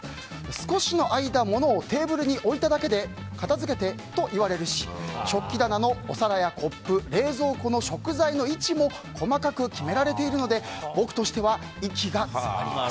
少し間物をテーブルに置いただけで片付けて！と言われるし食器棚のお皿やコップ冷蔵庫の食材の位置も細かく決められているので僕としては息が詰まります。